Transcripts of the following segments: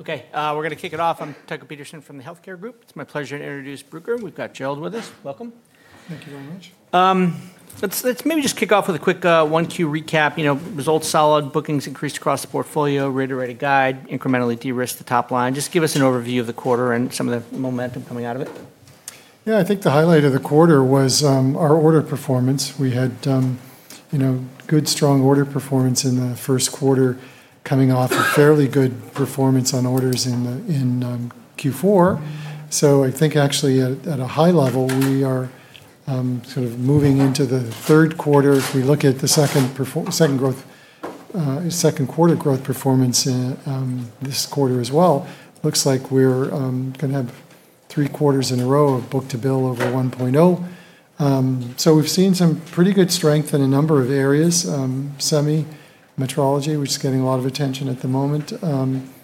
Okay, we're going to kick it off. I'm Tycho Peterson from the healthcare group. It's my pleasure to introduce Bruker. We've got Gerald with us. Welcome. Thank you very much. Let's maybe just kick off with a quick one Q recap. Results are solid. Bookings increased across the portfolio. Reiterating guide. Incrementally de-risked the top line. Just give us an overview of the quarter and some of the momentum coming out of it. Yeah. I think the highlight of the quarter was our order performance. We had good, strong order performance in the first quarter coming off a fairly good performance on orders in Q4. I think actually at a high level, we are sort of moving into the third quarter. If we look at the second quarter growth performance this quarter as well, it looks like we're going to have three quarters in a row of book-to-bill over 1.0. We've seen some pretty good strength in a number of areas. semiconductor metrology, which is getting a lot of attention at the moment,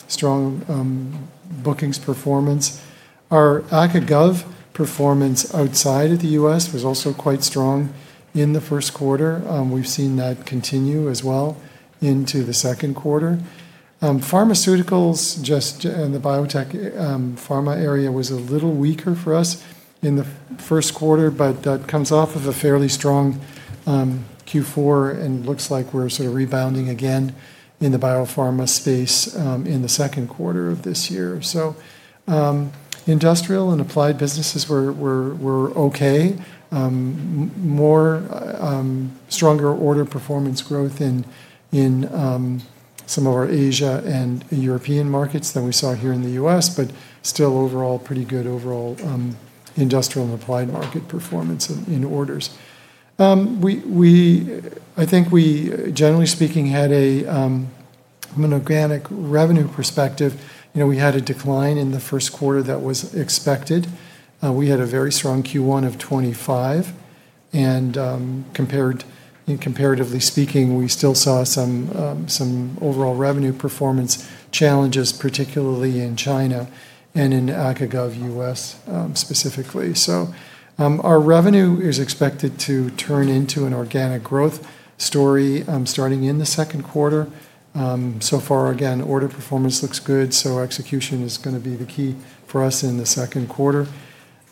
strong bookings performance. Our academic and government performance outside of the U.S. was also quite strong in the first quarter. We've seen that continue as well into the second quarter. Pharmaceuticals and the biotech pharma area was a little weaker for us in the first quarter, but that comes off of a fairly strong Q4 and looks like we're sort of rebounding again in the biopharma space in the second quarter of this year. Industrial and applied businesses were okay. More strong order performance growth in some of our Asia and European markets than we saw here in the U.S., but still overall pretty good overall industrial and applied market performance in orders. I think we, generally speaking, had, from an organic revenue perspective, a decline in the first quarter that was expected. We had a very strong Q1 of 2025 and comparatively speaking, we still saw some overall revenue performance challenges, particularly in China and in the academic and government U.S., specifically. Our revenue is expected to turn into an organic growth story starting in the second quarter. Order performance looks good, so execution is going to be the key for us in the second quarter.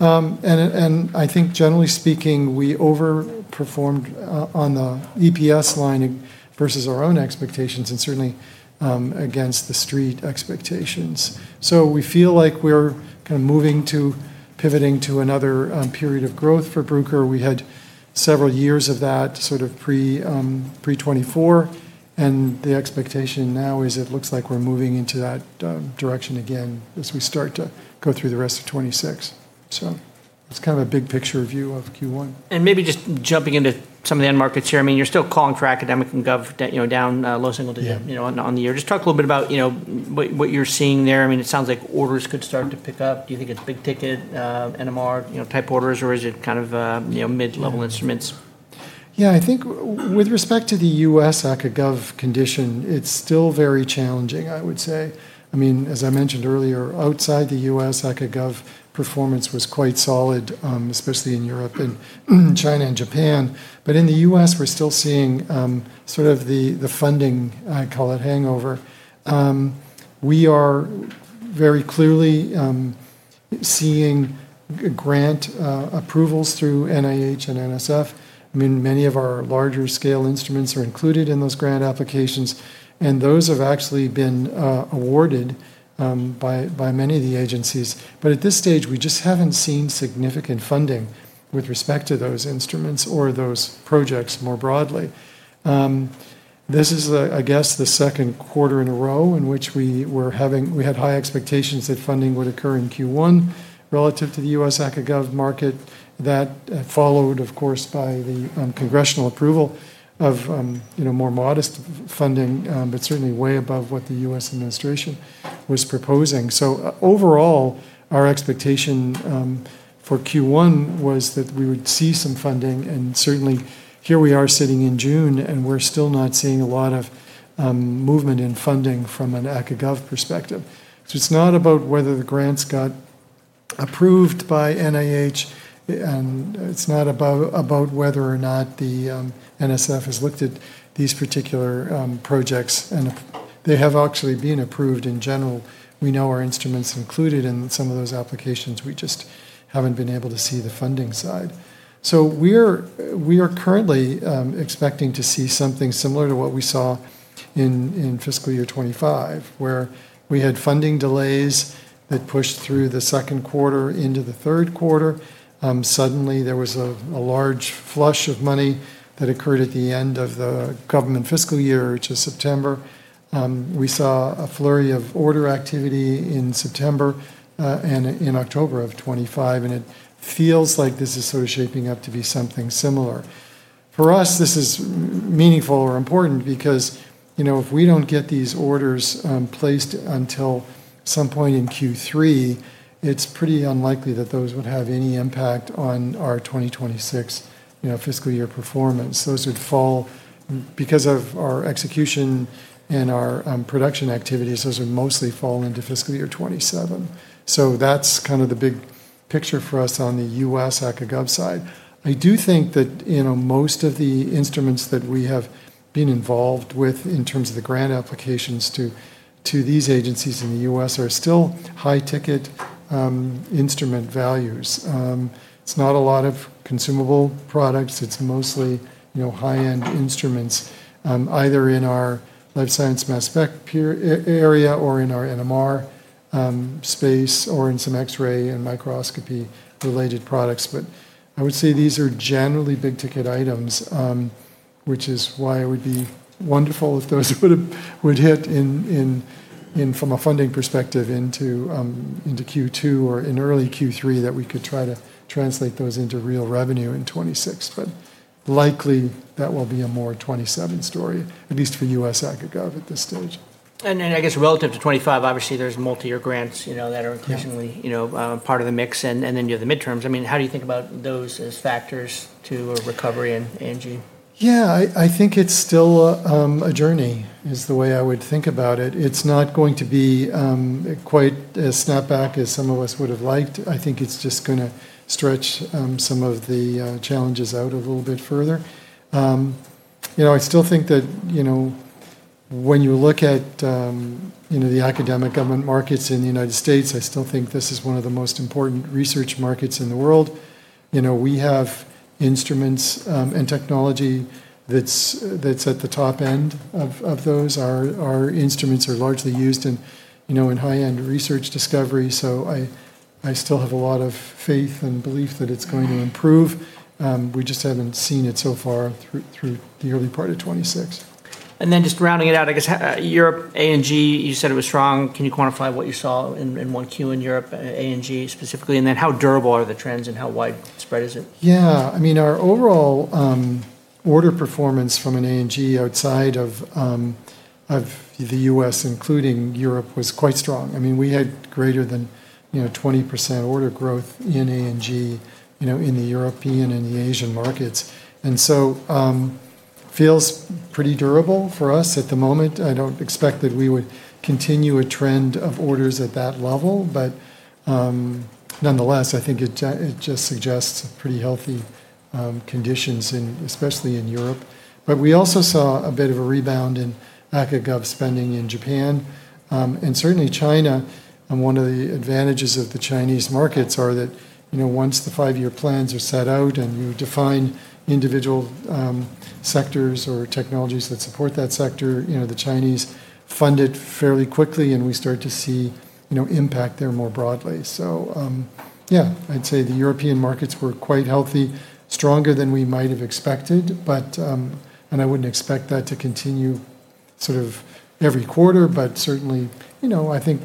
I think generally speaking, we overperformed on the EPS line versus our own expectations and certainly against the street expectations. We feel like we're kind of moving to pivoting to another period of growth for Bruker. We had several years of that sort of pre-2024, and the expectation now is it looks like we're moving in that direction again as we start to go through the rest of 2026. It's kind of a big-picture view of Q1. Maybe just jumping into some of the end markets here. You're still calling for academic and gov down low single digits. Yeah on the year. Just talk a little bit about what you're seeing there. It sounds like orders could start to pick up. Do you think it's big-ticket NMR type orders or is it kind of mid-level instruments? Yeah, I think with respect to the U.S. ACA gov condition, it's still very challenging, I would say. As I mentioned earlier, outside the U.S., ACA gov performance was quite solid, especially in Europe, China, and Japan. In the U.S., we're still seeing sort of the funding; I call it a hangover. We are very clearly seeing grant approvals through NIH and NSF. Many of our larger-scale instruments are included in those grant applications, and those have actually been awarded by many of the agencies. At this stage, we just haven't seen significant funding with respect to those instruments or those projects more broadly. This is, I guess, the second quarter in a row in which we had high expectations that funding would occur in Q1 relative to the U.S. ACA Gov Market. That was followed, of course, by the congressional approval of more modest funding, but certainly way above what the U.S. Administration was proposing. Overall, our expectation for Q1 was that we would see some funding, and certainly here we are sitting in June, and we're still not seeing a lot of movement in funding from an ACA Gov perspective. It's not about whether the grants got approved by NIH, and it's not about whether or not the NSF has looked at these particular projects. They have actually been approved in general. We know our instruments are included in some of those applications. We just haven't been able to see the funding side. We are currently expecting to see something similar to what we saw in fiscal year 2025, where we had funding delays that pushed through the second quarter into the third quarter. Suddenly there was a large flush of money that occurred at the end of the government fiscal year, which is September. We saw a flurry of order activity in September and in October of 2025, and it feels like this is sort of shaping up to be something similar. For us, this is meaningful or important because if we don't get these orders placed until some point in Q3, it's pretty unlikely that those would have any impact on our 2026 fiscal year performance. Those would fall because of our execution and our production activities; those would mostly fall into fiscal year 2027. That's kind of the big picture for us on the U.S. ACA Gov side. I do think that most of the instruments that we have been involved with in terms of the grant applications to these agencies in the U.S. are still high-ticket instrument values. It's not a lot of consumable products. It's mostly high-end instruments, either in our life science mass spec area or in our NMR space or in some X-ray and microscopy-related products. I would say these are generally big-ticket items, which is why it would be wonderful if those would hit in from a funding perspective into Q2 or in early Q3 that we could try to translate those into real revenue in 2026. Likely that will be a more 2027 story, at least for U.S. ACA Gov at this stage. Then I guess relative to 2025, obviously there are multi-year grants that are occasionally part of the mix, and then you have the midterms. How do you think about those as factors in a recovery in A&G? Yeah, I think it's still a journey is the way I would think about it. It's not going to be quite as snapback as some of us would have liked. I think it's just going to stretch some of the challenges out a little bit further. I still think that when you look at the academic and government markets in the U.S., I still think this is one of the most important research markets in the world. We have instruments and technology that's at the top end of those. Our instruments are largely used in high-end research discovery, so I still have a lot of faith and belief that it's going to improve. We just haven't seen it so far through the early part of 2026. Just rounding it out, I guess Europe, A&G, you said it was strong. Can you quantify what you saw in 1Q in Europe, A&G specifically, and then how durable are the trends and how widespread is it? Yeah. Our overall order performance from an A&G outside of the U.S. including Europe, was quite strong. We had greater than 20% order growth in A&G in the European and Asian markets; it feels pretty durable for us at the moment. I don't expect that we would continue a trend of orders at that level. Nonetheless, I think it just suggests pretty healthy conditions, especially in Europe. We also saw a bit of a rebound in A&G spending in Japan and certainly in China. One of the advantages of the Chinese markets is that once the five-year plans are set out and you define individual sectors or technologies that support that sector, the Chinese fund it fairly quickly, and we start to see impact there more broadly. I'd say the European markets were quite healthy, stronger than we might have expected, and I wouldn't expect that to continue every quarter, but certainly, I think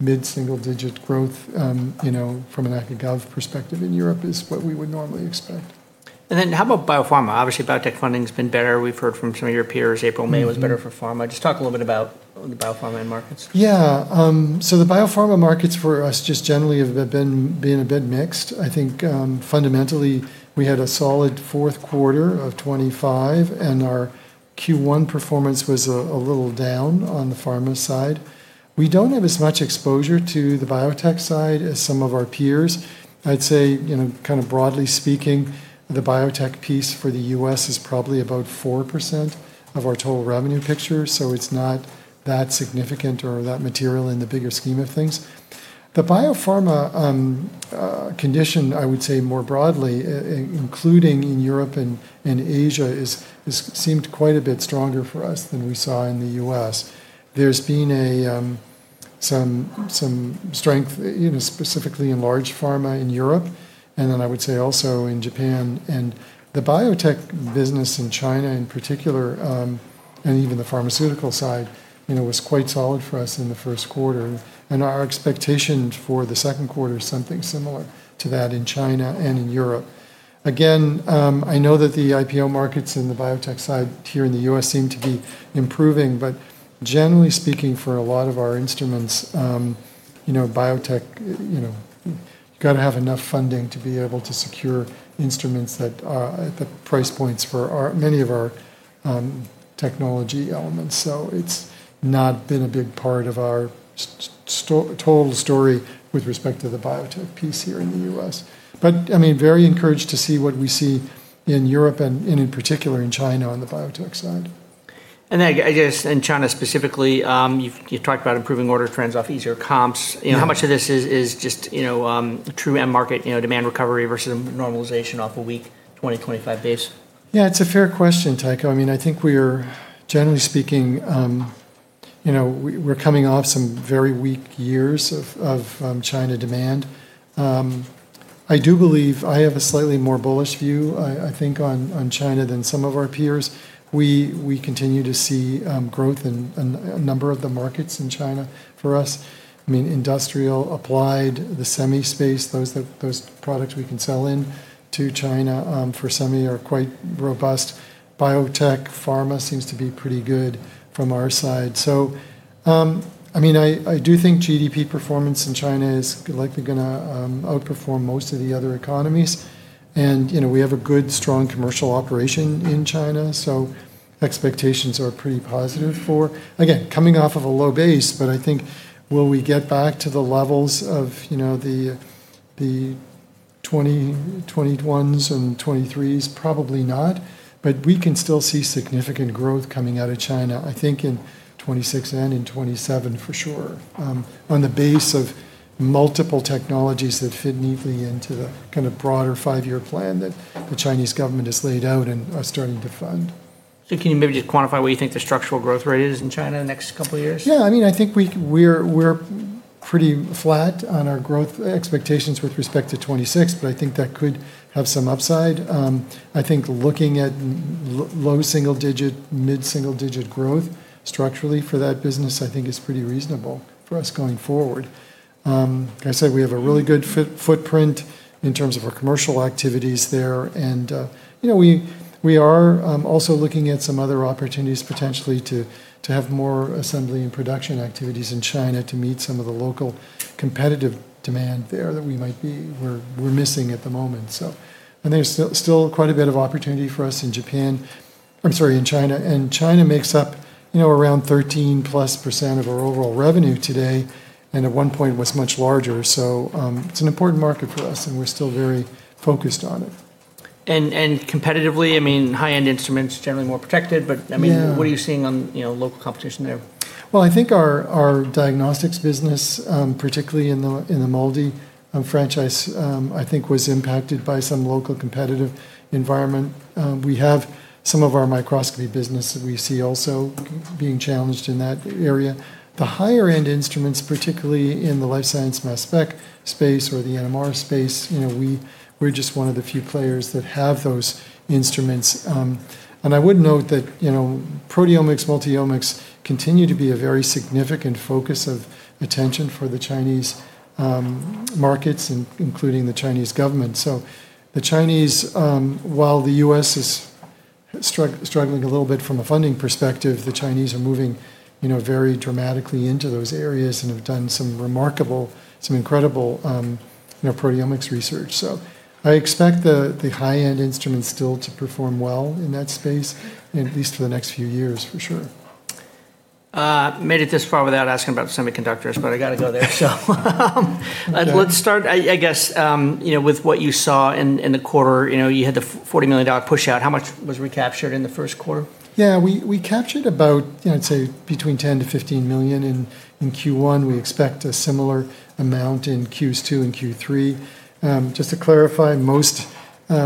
mid-single-digit growth from an A&G perspective in Europe is what we would normally expect. How about biopharma? Obviously, biotech funding's been better. We've heard from some of your peers, April; May was better for pharma. Just talk a little bit about the biopharma end markets. The biopharma markets for us just generally have been a bit mixed. I think fundamentally we had a solid fourth quarter of 2025, and our Q1 performance was a little down on the pharma side. We don't have as much exposure to the biotech side as some of our peers. I'd say, kind of broadly speaking, the biotech piece for the U.S. is probably about 4% of our total revenue picture, so it's not that significant or that material in the bigger scheme of things. The biopharma condition, I would say more broadly, including in Europe and Asia, seemed quite a bit stronger for us than we saw in the U.S. There's been some strength specifically in large pharma in Europe; I would say also in Japan. The biotech business in China in particular, and even the pharmaceutical side, was quite solid for us in the first quarter, and our expectations for the second quarter are something similar to that in China and in Europe. I know that the IPO markets on the biotech side here in the U.S. seem to be improving, but generally speaking, for a lot of our instruments, biotech, you have to have enough funding to be able to secure instruments that are at the price points for many of our technology elements. It's not been a big part of our total story with respect to the biotech piece here in the U.S. Very encouraged to see what we see in Europe, and in particular in China, on the biotech side. I guess in China specifically, you talked about improving order trends off easier comps. Yeah. How much of this is just true end market demand recovery versus normalization off a weak 2025 base? Yeah, it's a fair question, Tycho. I think we are, generally speaking, coming off some very weak years of China demand. I do believe I have a slightly more bullish view, I think, on China than some of our peers. We continue to see growth in a number of the markets in China for us. Industrially applied, the semi-space, those products we can sell into China for semi, are quite robust. Biotech pharma seems to be pretty good from our side. I do think GDP performance in China is likely going to outperform most of the other economies, and we have a good, strong commercial operation in China, so expectations are pretty positive for it. Again, coming off of a low base, but I think we will get back to the levels of the 2021s and 2023s. Probably not. We can still see significant growth coming out of China, I think in 2026 and in 2027 for sure, on the basis of multiple technologies that fit neatly into the kind of broader five-year plan that the Chinese government has laid out and are starting to fund. Can you maybe just quantify what you think the structural growth rate is in China the next couple of years? Yeah, I think we're pretty flat on our growth expectations with respect to 2026, but I think that could have some upside. I think looking at low double-digit, mid double-digit growth structurally for that business, I think, is pretty reasonable for us going forward. Like I said, we have a really good footprint in terms of our commercial activities there. We are also looking at some other opportunities potentially to have more assembly and production activities in China to meet some of the local competitive demand there that we're missing at the moment. I think there's still quite a bit of opportunity for us in Japan-- I'm sorry, in China. China makes up around 13%+ of our overall revenue today and at one point was much larger. It's an important market for us, and we're still very focused on it. Competitively, high-end instruments are generally more protected. Yeah What are you seeing on local competition there? I think our diagnostics business, particularly in the MALDI franchise, was impacted by some local competitive environment. We have some of our microscopy business that we see also being challenged in that area. The higher-end instruments, particularly in the life science mass spec space or the NMR space, are just one of the few players that have those instruments. I would note that proteomics and multi-omics continue to be a very significant focus of attention for the Chinese markets, including the Chinese government. The Chinese, while the U.S. is struggling a little bit from a funding perspective, are moving very dramatically into those areas and have done some remarkable, some incredible proteomics research. I expect the high-end instruments still to perform well in that space, at least for the next few years for sure. Made it this far without asking about semiconductors, but I got to go there. Okay. Let's start, I guess, with what you saw in the quarter. You had the $40 million pushout. How much was recaptured in the first quarter? Yeah. We captured about, I'd say, between $10 million-$15 million in Q1. We expect a similar amount in Q2 and Q3. Just to clarify,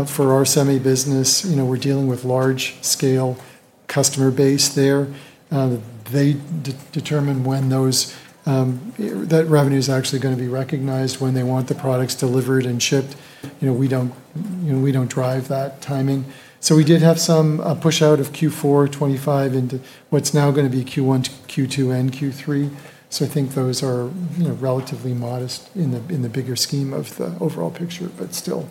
for our semi-business, we're dealing with a large-scale customer base there. They determine when that revenue's actually going to be recognized and when they want the products delivered and shipped. We don't drive that timing. We did have some pushout of Q4 2025 into what's now going to be Q1-Q2 and Q3. I think those are relatively modest in the bigger scheme of the overall picture. Still,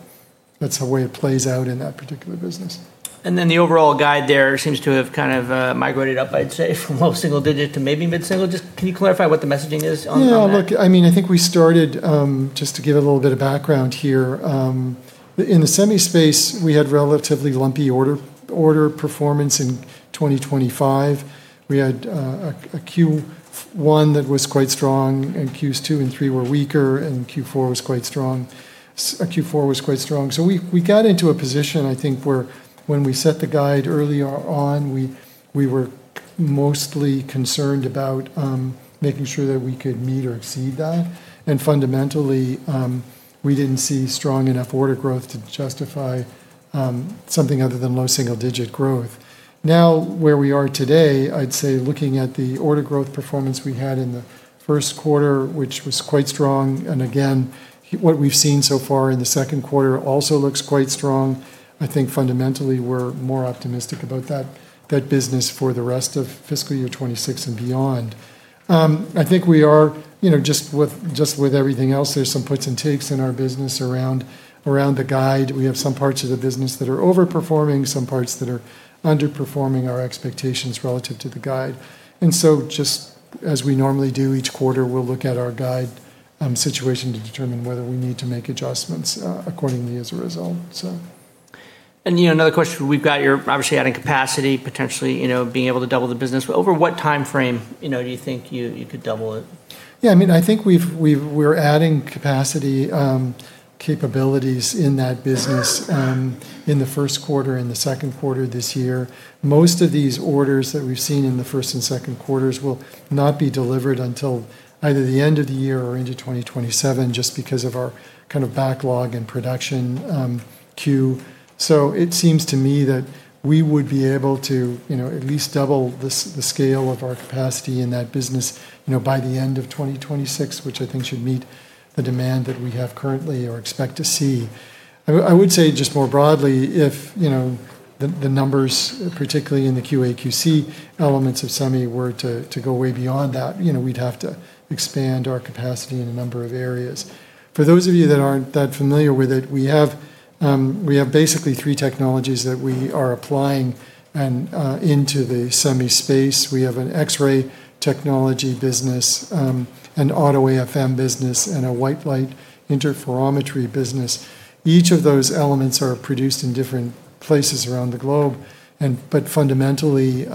that's the way it plays out in that particular business. The overall guide there seems to have kind of migrated up, I'd say, from low single digits to maybe mid single digits. Can you clarify what the messaging is on that? Look, I think we started, just to give a little bit of background here, in the semi space; we had relatively lumpy order performance in 2025. We had a Q1 that was quite strong, Q2 and Q3 were weaker, and Q4 was quite strong. We got into a position, I think, where when we set the guide earlier on, we were mostly concerned about making sure that we could meet or exceed that. Fundamentally, we didn't see strong enough order growth to justify something other than low single-digit growth. Where we are today, I'd say looking at the order growth performance we had in the first quarter, which was quite strong, again, what we've seen so far in the second quarter also looks quite strong. I think fundamentally, we're more optimistic about that business for the rest of fiscal year 2026 and beyond. I think we are, just with everything else, there's some puts and takes in our business around the guide. We have some parts of the business that are overperforming and some parts that are underperforming our expectations relative to the guide. Just as we normally do each quarter, we'll look at our guide situation to determine whether we need to make adjustments accordingly as a result. Another question. We've got you're obviously adding capacity, potentially being able to double the business. Over what timeframe do you think you could double it? Yeah, I think we're adding capacity capabilities in that business in the first quarter and the second quarter this year. Most of these orders that we've seen in the first and second quarters will not be delivered until either the end of the year or into 2027, just because of our kind of backlog and production queue. It seems to me that we would be able to at least double the scale of our capacity in that business by the end of 2026, which I think should meet the demand that we have currently or expect to see. I would say just more broadly, if the numbers, particularly in the QA/QC elements of semi, were to go way beyond that, we'd have to expand our capacity in a number of areas. For those of you who aren't that familiar with it, we have basically three technologies that we are applying to the semi space. We have an X-ray technology business, an automated AFM business, and a white light interferometry business. Each of those elements is produced in different places around the globe. Fundamentally,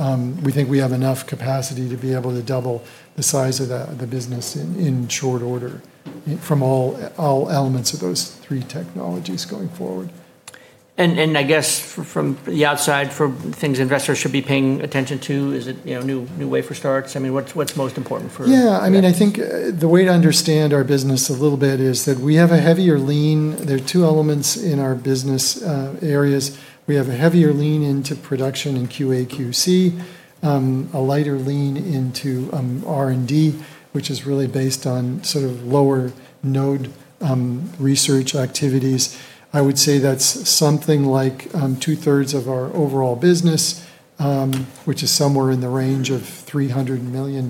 we think we have enough capacity to be able to double the size of the business in short order from all elements of those three technologies going forward. I guess from the outside, for things investors should be paying attention to, is it new wafer starts? What's it most important for? Yeah, I think the way to understand our business a little bit is that we have a heavier lean. There are two elements in our business areas. We have a heavier lean into production in QA/QC, a lighter lean into R&D, which is really based on lower node research activities. I would say that's something like two-thirds of our overall business, which is somewhere in the range of $300 million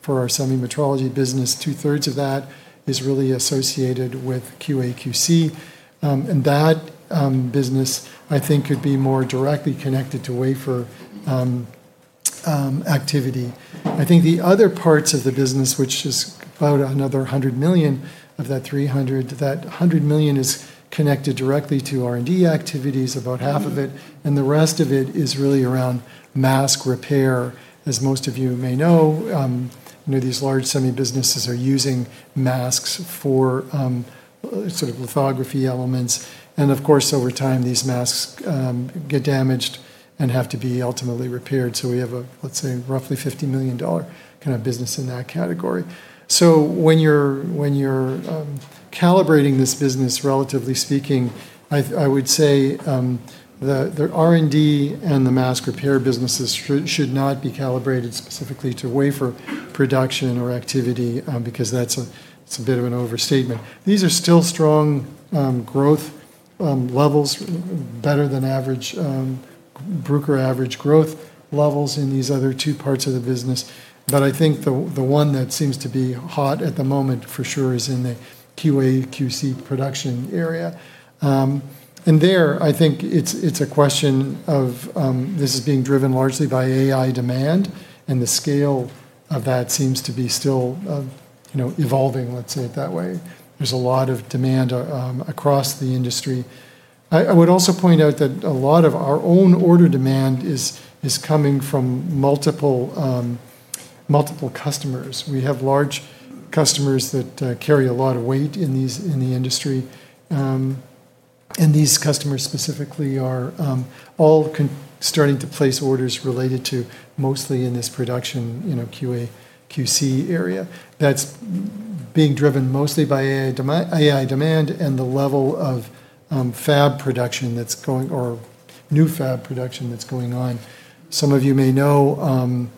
for our semiconductor metrology business. 2/3 of that is really associated with QA/QC. That business, I think, could be more directly connected to wafer activity. I think the other parts of the business, which is about another $100 million of that $300, that $100 million is connected directly to R&D activities, about half of it, and the rest of it is really around mask repair. As most of you may know, these large semi businesses are using masks for lithography elements. Of course, over time, these masks get damaged and have to be ultimately repaired. We have a, let's say, roughly $50 million kind of business in that category. When you're calibrating this business, relatively speaking, I would say that the R&D and the mask repair businesses should not be calibrated specifically to wafer production or activity because that's a bit of an overstatement. These are still strong growth levels, better than Bruker average growth levels in these other two parts of the business. I think the one that seems to be hot at the moment for sure is in the QA/QC production area. There, I think it's a question of this being driven largely by AI demand, and the scale of that seems to be still evolving, let's say it that way. There's a lot of demand across the industry. I would also point out that a lot of our own order demand is coming from multiple customers. We have large customers that carry a lot of weight in the industry. These customers specifically are all starting to place orders related to mostly this production, QA/QC area that's being driven mostly by AI demand and the level of fab production that's going on. Some of you may know,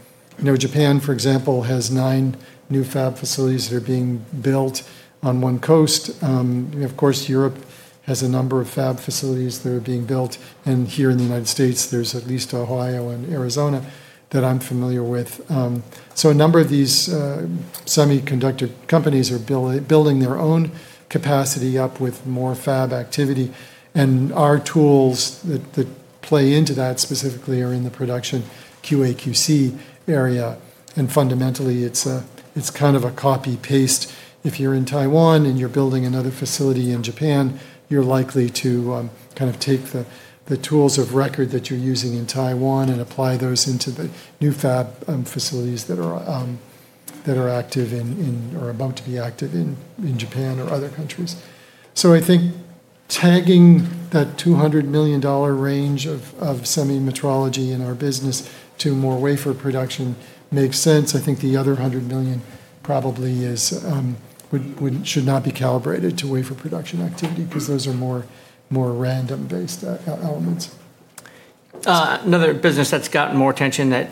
Japan, for example, has nine new fab facilities that are being built on one coast. Of course, Europe has a number of fab facilities that are being built, and here in the U.S., there's at least Ohio and Arizona that I'm familiar with. A number of these semiconductor companies are building their own capacity up with more fab activity. Our tools that play into that specifically are in the production QA/QC area. Fundamentally, it's kind of a copy-paste. If you're in Taiwan and you're building another facility in Japan, you're likely to take the tools of record that you're using in Taiwan and apply those to the new fab facilities that are active in, or about to be active in, Japan or other countries. I think tagging that $200 million range of semiconductor metrology in our business to more wafer production makes sense. I think the other $100 million probably should not be calibrated to wafer production activity because those are more random-based elements. Another business that's gotten more attention that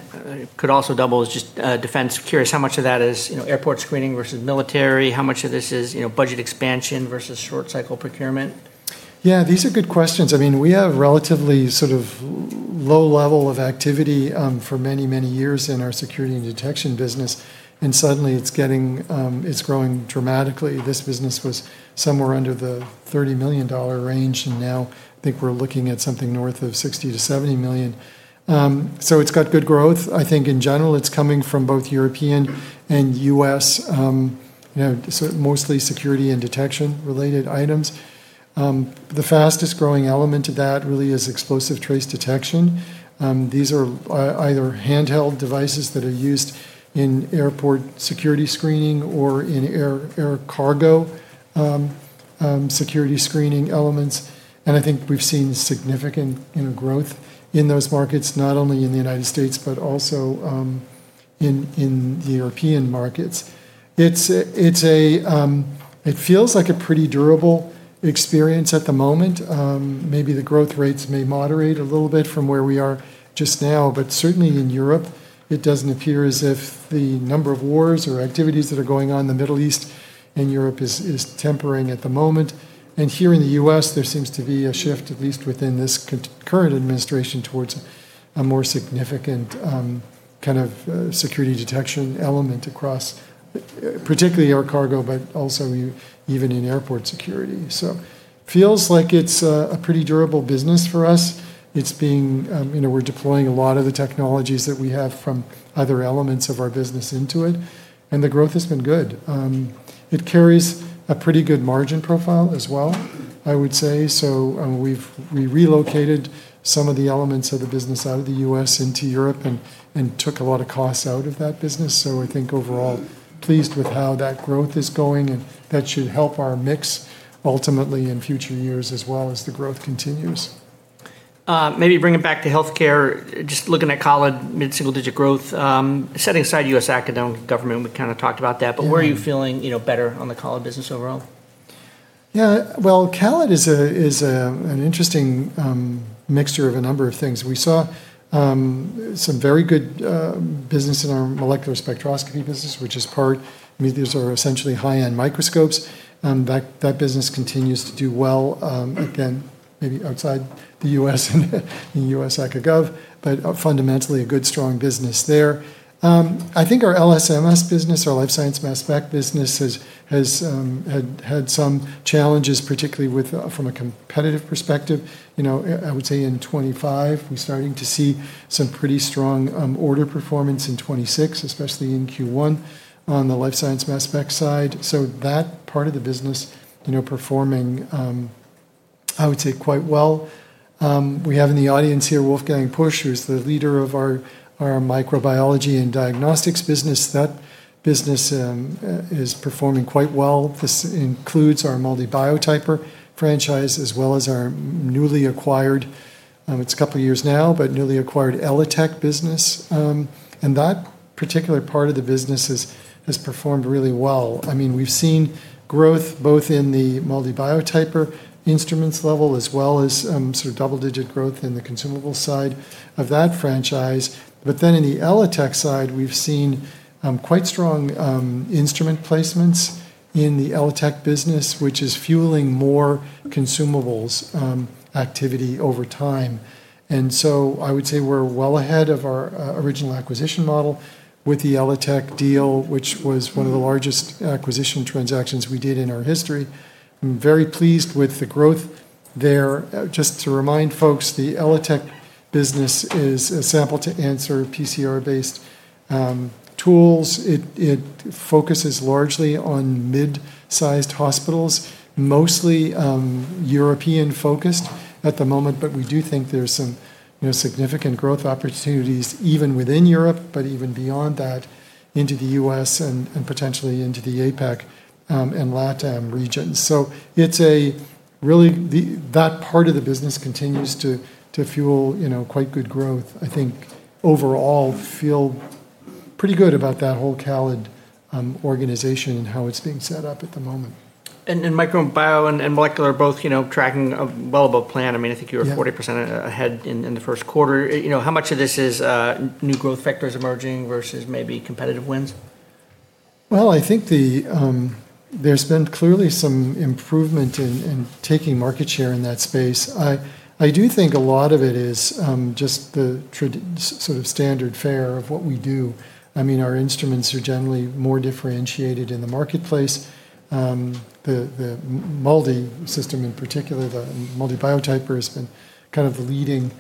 could also double is just defense. Curious how much of that is airport screening versus military, and how much of this is budget expansion versus short-cycle procurement? These are good questions. We have had a relatively low level of activity for many, many years in our security and detection business, and suddenly it's growing dramatically. This business was somewhere under the $30 million range, and now I think we're looking at something north of $60 million-$70 million. It's got good growth. I think in general, it's coming from both European and U.S., mostly security and detection-related items. The fastest-growing element of that really is explosive trace detection. These are either handheld devices that are used in airport security screening or in air cargo security screening elements. I think we've seen significant growth in those markets, not only in the U.S. But also in the European markets. It feels like a pretty durable experience at the moment. Maybe the growth rates may moderate a little bit from where we are just now. Certainly in Europe, it doesn't appear as if the number of wars or activities that are going on in the Middle East and Europe is tempering at the moment. Here in the U.S., there seems to be a shift, at least within this current administration, towards a more significant security detection element across particularly air cargo, but also even in airport security. Feels like it's a pretty durable business for us. We're deploying a lot of the technologies that we have from other elements of our business into it, and the growth has been good. It carries a pretty good margin profile as well, I would say. We relocated some of the elements of the business out of the U.S. into Europe and took a lot of costs out of that business. I think overall, I'm pleased with how that growth is going, and that should help our mix ultimately in future years as well as the growth continues. Maybe bring it back to healthcare. Just looking at CALID, mid-single-digit growth, setting aside U.S. academic government, we kind of talked about that. Yeah. Where are you feeling better on the CALID business overall? Yeah. Well, CALID is an interesting mixture of a number of things. We saw some very good business in our molecular spectroscopy business; these are essentially high-end microscopes. That business continues to do well, again, maybe outside the U.S. ACA Gov, but fundamentally a good, strong business there. I think our LSMS business, our life science mass spec business, had some challenges, particularly from a competitive perspective. I would say in 2025, we're starting to see some pretty strong order performance in 2026, especially in Q1 on the life science mass spec side. That part of the business is performing, I would say, quite well. We have in the audience here Wolfgang Pusch, who's the leader of our Microbiology and Diagnostics business. That business is performing quite well. This includes our MALDI Biotyper franchise as well as our newly acquired, it's a couple of years now, but newly acquired ELITechGroup business. That particular part of the business has performed really well. We've seen growth both in the MALDI Biotyper instruments level as well as double-digit growth in the consumable side of that franchise. In the ELITechGroup side, we've seen quite strong instrument placements in the ELITechGroup business, which is fueling more consumables activity over time. I would say we're well ahead of our original acquisition model with the ELITechGroup deal, which was one of the largest acquisition transactions we did in our history. I'm very pleased with the growth there. Just to remind folks, the ELITechGroup business is a sample to answer PCR-based tools. It focuses largely on mid-sized hospitals, mostly European-focused at the moment, but we do think there's some significant growth opportunities even within Europe, but even beyond that, into the U.S. and potentially into the APAC and LATAM regions. Really, that part of the business continues to fuel quite good growth. I think overall, I feel pretty good about that whole CALID organization and how it's being set up at the moment. Microbiology, and molecular are all tracking well above plan. I think you were 40% ahead in the first quarter. How much of this is new growth vectors emerging versus maybe competitive wins? Well, I think there's been clearly some improvement in taking market share in that space. I do think a lot of it is just the standard fare of what we do. Our instruments are generally more differentiated in the marketplace. The MALDI system in particular, the MALDI Biotyper, has been kind of the leading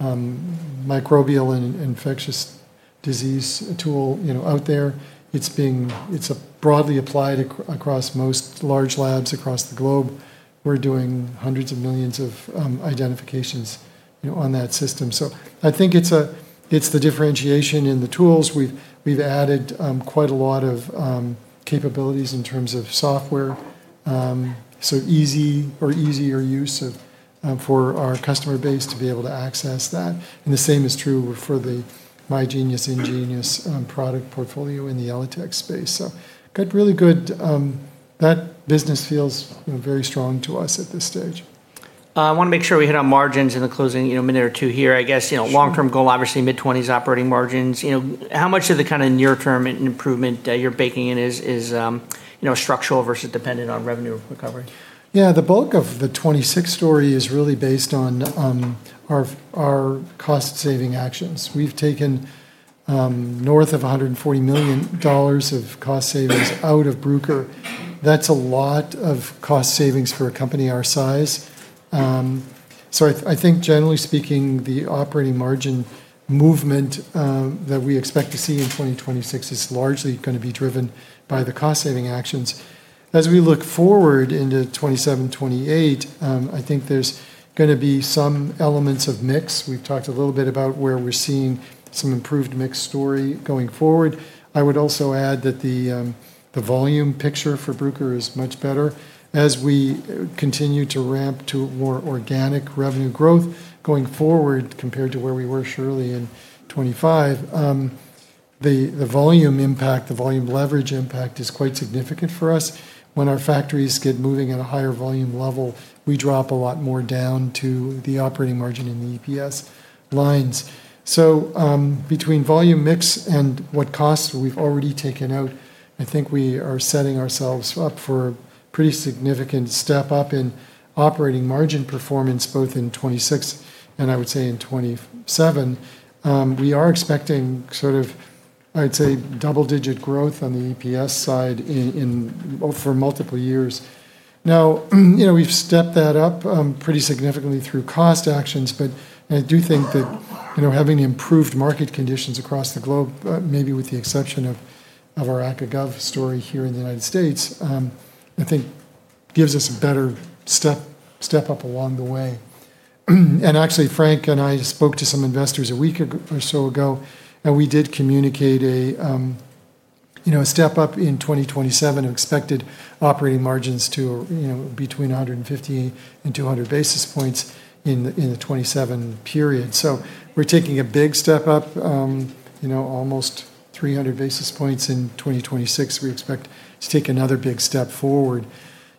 microbial and infectious disease tool out there. It's broadly applied across most large labs across the globe. We're doing hundreds of millions of identifications on that system. I think it's the differentiation in the tools. We've added quite a lot of capabilities in terms of software, so easier use for our customer base to be able to access that. The same is true for the InGenius and BeGenius product portfolio in the ELITechGroup space. That business feels very strong to us at this stage. I want to make sure we hit on margins in the closing minute or two here. Long-term goal, obviously mid-20s operating margins. How much of the near-term improvement you're baking in is structural versus dependent on revenue recovery? Yeah, the bulk of the 2026 story is really based on our cost-saving actions. We've taken north of $140 million of cost savings out of Bruker. That's a lot of cost savings for a company our size. I think generally speaking, the operating margin movement that we expect to see in 2026 is largely going to be driven by the cost-saving actions. As we look forward into 2027, 2028, I think there's going to be some elements of mix. We've talked a little bit about where we're seeing some improved mix stories going forward. I would also add that the volume picture for Bruker is much better as we continue to ramp to more organic revenue growth going forward, compared to where we were surely in 2025. The volume leverage impact is quite significant for us. When our factories get moving at a higher volume level, we drop a lot more down to the operating margin in the EPS lines. Between volume mix and what costs we've already taken out, I think we are setting ourselves up for a pretty significant step-up in operating margin performance, both in 2026 and I would say in 2027. We are expecting, I'd say, double-digit growth on the EPS side for multiple years. We've stepped that up pretty significantly through cost actions, but I do think that having improved market conditions across the globe, maybe with the exception of our A&G story here in the United States, I think gives us a better step-up along the way. Actually, Frank and I spoke to some investors a week or so ago, and we did communicate a step-up in 2027, expected operating margins to between 150-200 basis points in the 2027 period. We're taking a big step up, almost 300 basis points in 2026. We expect to take another big step forward.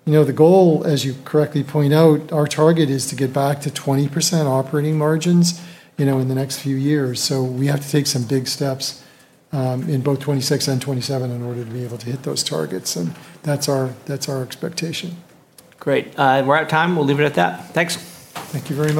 The goal, as you correctly point out, is to get back to 20% operating margins in the next few years. We have to take some big steps in both 2026 and 2027 in order to be able to hit those targets, and that's our expectation. Great. We're out of time. We'll leave it at that. Thanks. Thank you very much.